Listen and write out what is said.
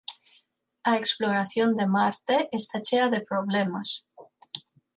A exploración de Marte está chea de problemas.